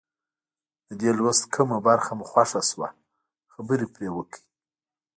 د دې لوست کومه برخه مو خوښه شوه خبرې پرې وکړئ.